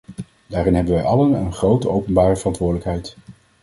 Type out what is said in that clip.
Daarin hebben wij allen een grote openbare verantwoordelijkheid.